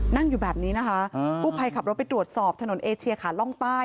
นั่งอยู่แบบนี้นะคะกู้ภัยขับรถไปตรวจสอบถนนเอเชียขาล่องใต้